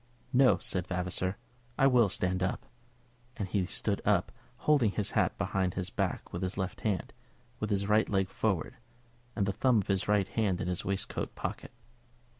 "No," said Vavasor; "I will stand up." And he stood up, holding his hat behind his back with his left hand, with his right leg forward, and the thumb of his right hand in his waistcoat pocket.